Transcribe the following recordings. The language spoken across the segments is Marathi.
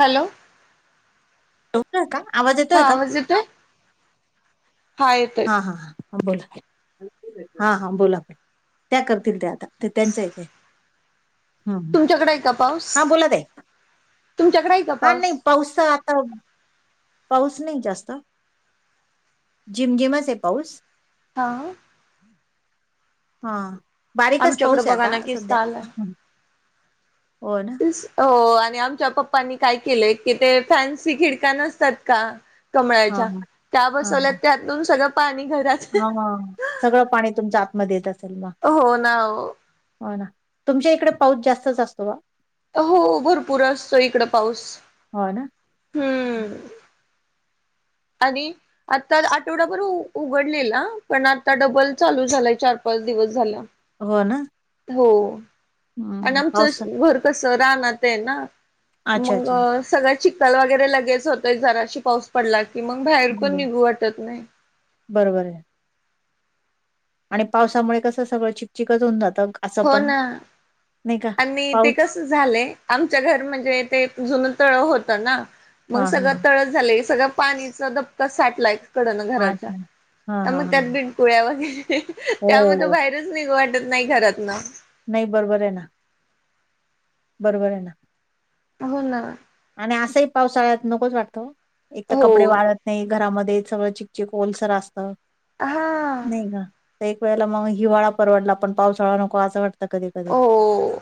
हॅलो. येतोय का आवाज येतोय का? ज तो हा हा हां ह बोला हा हां बोला आपण त्या करतील ते आता ते त्यांच्या इथे तुमच्याकडे आहे का पाऊस हा बोला दे तुमच्याकडे आहे का हा पाऊस नाही पाऊसचा आता पाऊस नाही जास्त झिमझिमच आहे पाऊस हां हा बारीकच आमच्याकडे पाऊस आहे बघा आता ना किस्त सध्या आलाय हो ना हो आणि आमच्या पप्पांनी काय केलंय की ते फॅन्सी खिडका नसतात का हा कमळाच्या हा त्या हा बसवल्या त्यातून सगळं पाणी घरात हा सगळं पाणी तुमच्या आतमध्ये येत असेल म हो हो ना हो ना तुमच्या इकडे पाऊस जास्तच असतो बा हो भरपूर असत इकड पाऊस हो ना हम्म आणि आता आठवडाभर उघडलेला पण आता डबल चालू झालाय चार पाच दिवस झाल्या हो ना हो आणि हम्म, पावसा आमचं घर कसं राहण आहे ना अच्छा मग अच्छा सगळं चिक्खल वगैरे लगेच होतंय जराशी पाऊस पडला कि मग बाहेर पण निघू वाटत नाही बरोबर आहे आणि पावसामुळे कसं सगळं चिकचिकच होऊन जातं असं होन पण नाही का? आणि ते पाऊस कस झालंय आमच्या घर म्हणजे ते जुन तळ होत ना मग हां, हां, सगळं हां. तळस झालं सगळं पाणीचा धबका साठलाय आठ महिने. हां, घराच्या हां, मग त्यात हां. ब कळ्या वगैरे त्या म तो हो. बाहेरच निघ वाटत नाही घरातन नाही बरोबर आहे ना बरोबर आहे ना. हो ना आणि असंही पावसाळ्यात नकोच वाटतं, एक तर हो कपडे वाळत नाही घरामध्ये सगळं चिकचिक ओलसर असतं हा नाही ग एक वेळेला मग हिवाळा परवडला आपण पाऊससाळा नको असं वाटत कधी कधी हो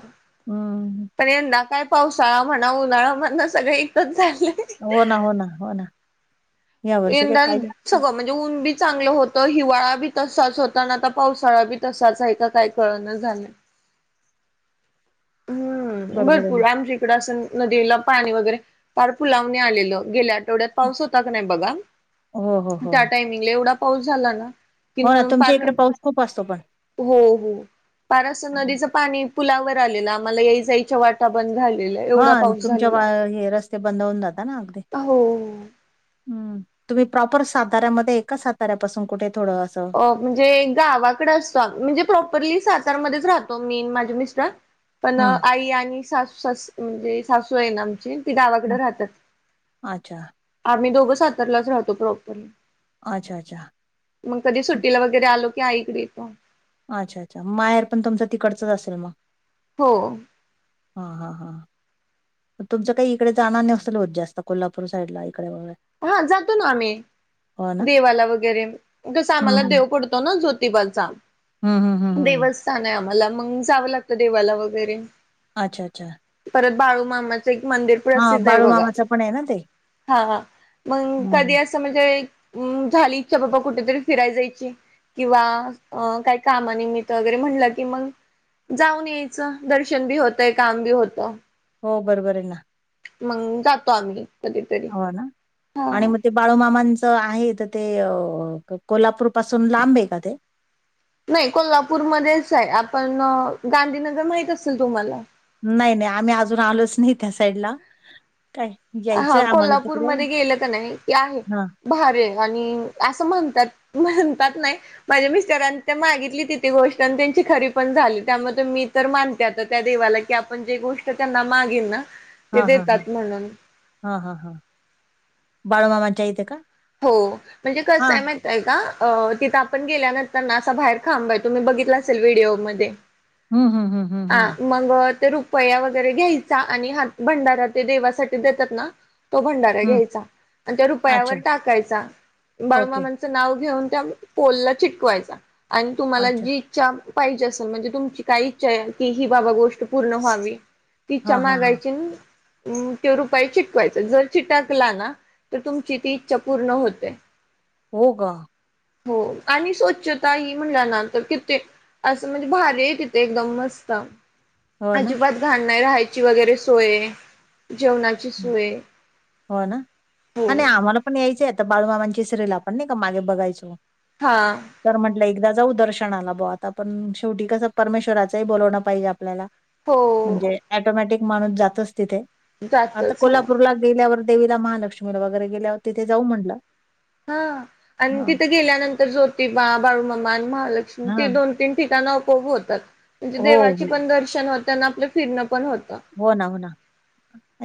हम्म पण यंदा काय पावसाळा म्हणा उन्हाळा म्हणा सगळ एकच झालं हो- ना हो -ना हो -ना यावर्षी एनं काही दान पाहिजे असतं. सुगो मं ऊन पण चांगलं होत, हिवाळा पण तसाच होता. आणि आता पावसाळा पण तसाच आहे. का? काय? कळेना झालं? हम्म बरोबर आहे भरपूर ना. आमच्या इकडं असून नदीला पाणी वगैरे फार पुलावरुन आलेलं., गेल्या आठवड्यात पाऊस होता का नाही बघा? हो, हो, हो. त्या वेळेला एवढा पाऊस झाला ना कि हो ना, तुमच्या फार इकडे पाऊस खूप असतो पण. हो- हो खुप असं नदीचं पाणी पुलावर आलेलं आम्हाला या -जायच्या वाट- बंद झालेली एवढा हा पाऊस तुमच्या वा झालेला. हे रस्ते ते बंद होऊन जातात ना अगदी हो- हम, तुम्ही मूळचे साताऱ्यामध्ये ए... का? साताऱ्यापासून कुठे थोडं.. असं अ म्हणजे गावाकडे असतो., म्हणजे मुळात सातारमध्येच राहतो मीआणि माझे मिस्टर पण हं. आई आणि सासू, सास म्हणजे सासू आहे ना आमची? गावाकडे राहतात. अच्छा, आम्ही दोघं सातरलाच राहतो प्रॉपरली. अच्छा अच्छा. मग कधी सुट्टीला वगैरे आलो की आई इकडे येतो. अच्छा अच्छा. माहेर पण तुमचं तिकडच असेल मग? हो. हा- हा -हां. तुमचं काही इकडे जाण नसेल होत जास्त.... कोल्हापुर साईडला, इकडे, वगैरे. हा जातो ना आम्ही. हो ना? देवाला वगैरे जसं..... हं, आम्हाला हं. देव पडतो ज्योतिबाचा हं, हं, हं, हं. दिवस- हा नाही आम्हाला. मग जावं लागत देवाला वगैरे अच्छा- अच्छा. परत बाळूमामाचं एक मंदिर हां, प्रसिद्ध आहे बघा. बाळूमामाचं पण आहे ना ते? हा-हा. मग हं, कधी हं. असं म्हणजे? झाली इच्छा बाबा कुठेतरी फिरायला जायची किंवा आ काही कामानिमित्त वगैरे म्हटलं की मग- जाऊन यायचं. दर्शन बी होतंय काम बी होतं. हो. बरोबर ए ना. मंग -जातो आम्ही. कधीतरी हो ना? हा आणि मग ते- बाळूमामांचं आहे. त ते कोल्हापूर पासून लांब आहे का ते? नाही कोल्हापूरमध्येच आहे. आपण- गांधीनगर माहीत असेल तुम्हाला? नाही नाही. आम्ही अजून आलोच नाही त्या साईडला. काय? हा. यायचंय आम्हाला तिकडे कोल्हापूरमध्ये गेलं कीं नाही? ते आहे. हां, भारी आहे आणि असं म्हणतात. म्हणतात नाही- माझ्या मिस्टरांनी त्या मागितली तिथे गोष्ट आणि त्यांची खरी पण झाली. त्यामुळे मी- तर मानते आता त्या देवाला. की आपण जे गोष्ट त्यांना मागेन ना? हा. ते हा. हा. देतात म्हणून हा. हा. हा. बाळूमामान च्या इथे का? हो. म्हणजे कसं हां. आहे? म- तेय का? आ. तिथं आपण गेल्यानंतर ना? असं बाहेर खांब आहे. तुम्ही बघितला असेल व्हिडिओमध्ये. हम् हम हम. आ. मग ते रुपया वगैरे घ्यायचा आणि हात भंडारा ते देवासाठी देतात ना? तो भंडारा हं. घ्यायचा आणि त्या अच्छा. रुपयावर टाकायचा. ओके. बाळूमामा - च नाव घेऊन त्या पोलला चिटकवायचा. आणि तुम्हाला अच्छा. जी- च्छा पाहिजे असेल. म्हणजे तुमची काय इच्छा आहे, की ही बाबा गोष्ट पूर्ण व्हावी- इच्छा हां, हां, हां. मागायची. अं. ते रुपया चिकटवायचा. जर चिटकला ना? तर तुमची ती इच्छा पूर्ण होते. हो का? हो. आणि स्वच्छता ही म्हणला नां तर किेती- असं म्हणजे भारी आहे तिथे. एकदम मस्त. हो ना? अजिबात घाण नाही. राहायची वगैरे सोय ए. जेवणाची- हं. सोय हो ना? हो आणि आम्हाला- पण यायचं आता बाळूमामांच्या सेवेला. आपण नाही का मागे बघायचो? हा. तर म्हंटलं एकदा जाऊ दर्शनाला बुवा आता. पण शेवटी कसं परमेश्वराचंही बोलावणं पाहिजे आपल्याला. हो म्हणजे ऍटोमॅटिक माणूस जातोच तिथे. आता जातच हो कोल्हापूरला गेल्यावर, देवीला महालक्ष्मीला वगैरे गेल्यावर तिथे जाऊ म्हटलं. हा. आणि हां. तिथे गेल्यानंतर ज्योतिबा, बाळूमामा आणि महालक्ष्मी हा ते दोन- तीन ठिकाण आपोआप होतात. म्हणजे हो देवाचे हो पण दर्शन होते आणि आपलं फिरणं पण होतं. हो ना. हो ना.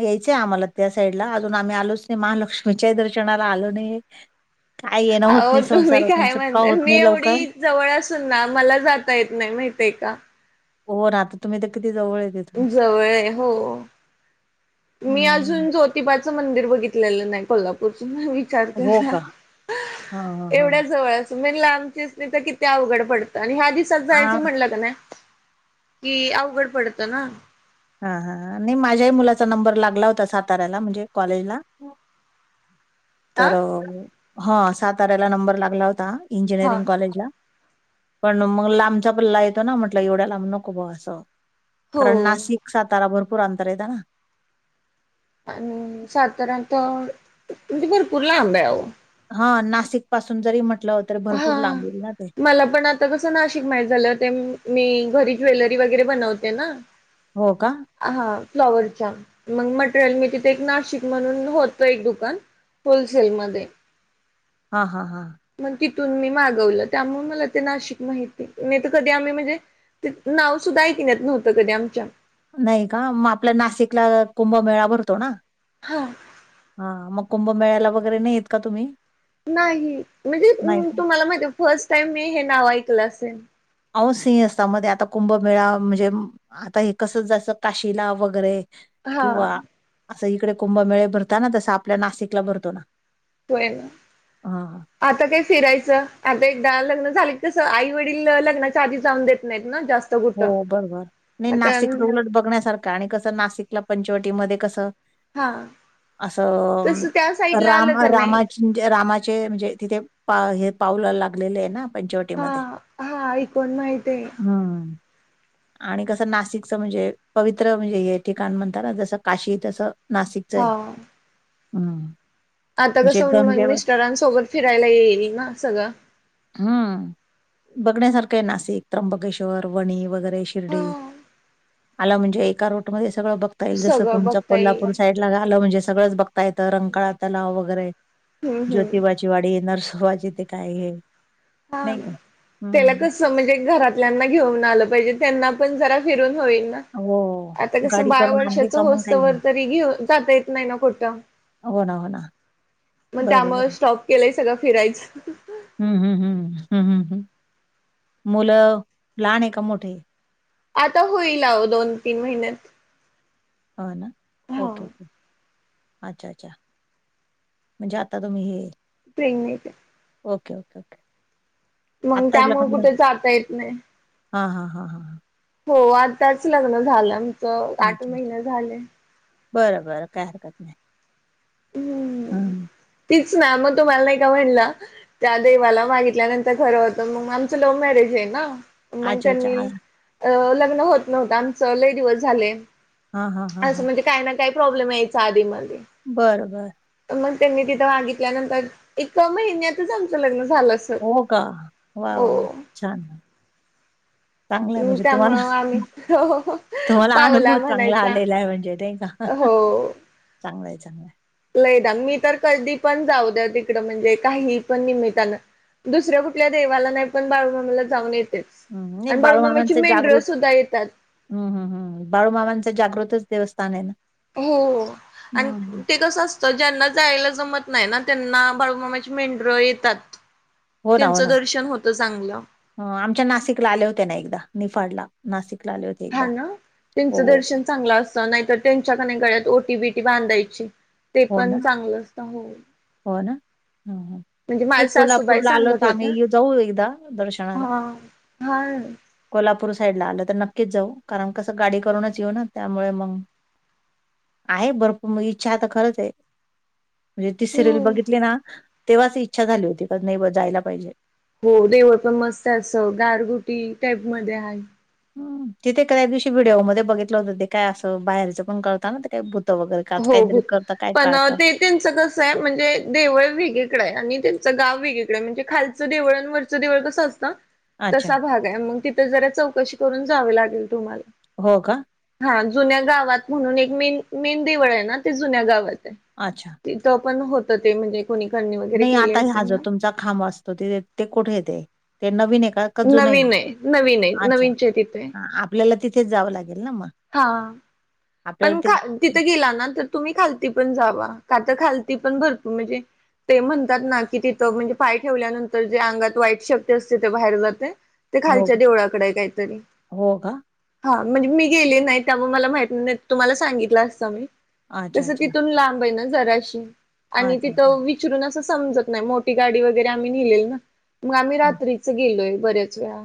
यायचंय आम्हाला त्या साईड ला. अजून आम्ही आलोच नाही. महालक्ष्मीच्याही दर्शनाला आलो नाहीए. काय येणं होत अहो नाही तुम्ही संसारातून काय सुटका म्हणताय होत मी नाही लवकर. एवढी जवळ असून ना मला जाता येत नाही माहतीे का. हो ना आता तुम्ही तर किती जवळ देत. जवळ हो. मी हम्म अजून ज्योतिबाचं मंदिर बघितलेलं नाही कोल्हापूर. विचार हो कर का हां हां हां एवढ्या जवळ. तुम् लांबचीच नाही तर किती अवघड पडतं आणि ह्या दिवसात हां जायचं म्हणलं का नाही. कि अवघड पडत ना. हा हा आणि माझ्याही मुलाचा नंबर लागला होता साताऱ्याला म्हणजे कॉलेजला. आ तर हा साताऱ्याला नंबर लागला होता. हा इंजियरिंग कॉलेज ला. पण मग लांबचा पल्ला येतो ना म्हटलं एवढ्या लांब नको ब असं. हो कारण नाशिक सातारा भरपूर अंतर येत ना. आणि सातारत म्हणजे भरपूर लांब आहेह. हा नाशिक पासून जरी म्हटलं होत. हा मला पण आ आता कसं नाशिक माहत झालं ते मी घरी ज्वेलरी वगैरे बनवते ना. हो का. हा फ्लॉवरच्या मग मटेरियल मी तिथे एक नाशिक म्हणून होतो एक दुकान. होलसेलमध्येध्ये. हा हा हा. मग तिथून मी मागवलं त्यामुळे मला ते नाशिक माहिती नाही तर कधी आम्ही म्हणजे. ते नाव सुद्धा ऐकण्यात नव्हतं कधी आमच्या. नाही का मग आपल्या नाशिकला कुंभमेळा भरतो ना. हा. हा मग कुंभमेळायला वगैरे नाहीेत का तुम्ही. नाही म्हणजे नाही का तुम्हाला मा फर्स्ट टाईम मी हे नाव ऐकलं असेल. आहो सिह असता मध्ये आता कुंभमेळा म्हणजे आता हे कसं जसं काशिला वगैरे. हा किंवा असं इकडे कुंभमेळे भरताना तस आपल्या नाशिकला भरतो ना. होय. हा आता काय फिरायचं आता एकदा लग्न झाल तसं आई वडील लग्नाच्या आधी जाऊन देत नाहीत ना जास्त. कुठं हो बरोबर नाही आता नाशिकच उलटं बघण्यासारखं आणि कसं नाशिकला पंचवटीमध्ये कसं. हा तस असं त्या साईडला राम आलं तर नाही रामा रामाचे म्हणजे तिथे पा हे पावल लागलेले आहे ना. हा पंचोटीमध्ये हा ऐकून माहित आहे हम्म. आणि कसं नाशिकच म्हणजे पवित्र म्हणजे हे ठिकाण म्हणताना जस काशी तसं. नाशिकच आहे हा हम्म. आता म्हणजे कसं मग गंगेवर मिस्टरांसोबत फिरायला येईल ना सगळं. हम्म बघण्यासारखं आहे नाशिक त्र्यंबकेश्वर वणी वगैरे शिर्डी. हा आला म्हणजे एका रूटमध्ये सगळं बघता येईल जसं सगळं तुमचं बघता येईल कोल्हापूर साईड. नाशिकला झालं म्हणजे सगळंच बघता येत रंगकाळा तलाव वगैरे हम्म हम्म जोतिबा- राजवाडी नर्सवाजथे काय हे. हा नाही का तेला हम्म कस. म्हणजे घरातल्यांना घेऊन आलं पाहिजे त्यांना पण जरा फिरून होईल ना. हो. आता कसं गाडी बाळ करून आणली वर्षाचं का मग होसत काही व नाही. तरी घेऊन जाता येत नाही ना कुठं. हो ना. मग बरोबर त्यामुळ आहे. स्टॉप केलंय सगळं फिरायचं. हम्म हम्म हम्म् हम्म हम् हम् मुलं लहान आहे का मोठे. आता होईल आहो दोन तीन महिन्यात. हो ना हा ओके ओके अच्छा अच्छा म्हणजे आता तुम्ही हे प्रेग्नेंट आहे ओके ओके ओके मग आताच त्यामुळे लग्न झाल कुठे जाता येत नाही. हा हा हा हा हां हो आताच लग्न झालं आमचं हां. आठ अच्छा, अच्छा. महिने झाले बरं बर काय हरकत नाही हम्म हम् तीच ना मग तुम्हाला नाही का म्हणल त्या देवाला मागितल्यानंतर खरं होतं मग आमचं लव्ह मॅरेज आहे ना मग अच्छा, अच्छा. त्येनी अ लग्न होत नव्हतं आमचं ले दिवस झाले हां, हां, हां, असं हां. म्हणजे काही ना काही प्रॉब्लेम यायचा आधी मधी बरं बर मग त्यांनी तिथं मागितल्यानंतर एका महिन्यातच आमचं लग्न झालं असत हो का वा वा छान चांगलंय म्हणजे तुम्हाला त्यामुळं आम्ही हो तुम्हाला पावला अनुभव चांगला म्हणायचा आलेला आहे म्हणजे नाही का हो चांगलंय चांगलंय लयदा मी तर कधी पण जाऊ द्या तिकड म्हणजे काही पण निमित्तानं दुसऱ्या कुठल्या देवाला नाही पण बाळूमामाला जाऊन येते हं. नाही आणि बाळूमामाची मेंढळं सुद्धा येतात हम् हम् हम् बाळूमामाचं जागृतच देवस्थान आहे ना हो हो आणि हं. ते कसं अस तर ज्यांना जायला जमत नाही ना त्यांना बाळूमामाची मेंढर येतात हो ना, हो त्येचं ना. दर्शन होतं चांगलं आमच्या नाशिकला आले होतेया ना एकदा निफाडला नाशिकला आले होते एकदा हो चांगला असत नाही तर त्यांच्याका गळ्यात ओटी बीटी बांधायची ते हो ना, पण चांगलं असत हो हो ना हम हम म्हणजे माझ्या एक सासूबाई कोल्हापूरला आलोत सांगत होत्या. आम्ही जाऊ एकदा दर्शनाला हा हा कोल्हापूर साईडला आलं तर नक्कीच जाऊ कारण कसं गाडी करूनच येऊ ना त्यामुळे मग आहे भरपूर मग इच्छा खरंच आहे म्हणजे ती सिरियल हो. बघितली ना तेव्हाच इच्छा झाली होती का नाही बा जायला पाहिजे हो देवाचं पण मस्त अस गारगुटी टाईप मध्ये आहे ह तिथे एक दिवशी व्हिडिओ मध्ये बघितलं होतं ते काय असं बाहेरचं पण कळताना ते काय भुत वगैरे काज हो काहीतरी भूत करत काय पण काळता ते त्यांचं कसं आहे म्हणजे देवळ वेगळी कडे आहे आणि त्यांचं गाव वेगळी कडे आहे म्हणजे खालचं देवळ वर कस असत अच्छा तसा भाग आहे मग तिथ जरा चौकशी करून जावी लागेल तुम्हाला हो का हा जुन्या गावात म्हणून एक मेन मेन देवळ आहे ना ते जुन्या गावात आहे अच्छा तिथं पण होतं ते म्हणजे कोणी वगैरे नाही केली आता हा असेल जो ना. तुमचा खांब असतो ते ते कुठे येत ते नवीन का अजून ऐक नवीन आहे नवीन आहे अच्छा नवीनचे तिथे आपल्याला तिथेच जावं लागेल ना मग हा आपल्याला पण ते तिथं गेला ना तर तुम्ही खालती पण जावा का तर खालती पण भरपूर म्हणजे ते म्हणतात ना की तिथं म्हणजे पाय ठेवल्यानंतर जे अंगात वाईट शक्ती असते ते बाहेर जाते ते हो, खालच्या देवळाकडे आहे काही तरी हो का? हा म्हणजे मी गेले नाही त्या मला माहीत नाही तुम्हाला सांगितलं असत मी अच्छा, तस अच्छा. तिथून लांबय ना जराशी. आणि अच्छा, अच्छा. तिथं वि चरून अस समजत नाही. मोठी गाडी वगैरे आम्ही नेलेली ना. मग आम्ही हं. रात्रीच गेलोय. बऱ्याच वेळा.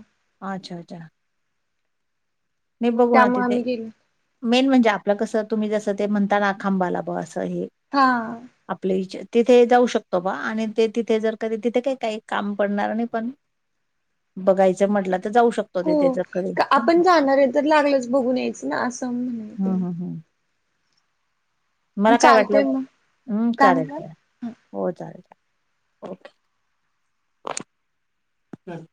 अच्छा, अच्छा. हे मग बघू ना त्यामुळे तिथे. आम्ही गेलो मेन म्हणजे, आपलं कसं. तुम्ही जसं ते, म्हणताना खांबाला बा असं हे. हा. आपलं इच तिथे जाऊ शकतो बा. आणि ते तिथे जर कधी तिथे काही- काही काम पडणार नाही, पण. [inaudible] बघायचं म्हटलं, तर जाऊ शक हो. आपण जाणारय. जर लागलंच बघून यायचं, ना. असं म्हणून. हम्म, हम्म, ह. मला काय चालतय वाटलं? मग हम्म, काय चालेल- म्हणालात? चालेल. हो, चालेल. ओके. हम्.